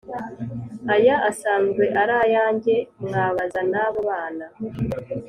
Aya asanzwe arayanjye mwabaza nabo bana.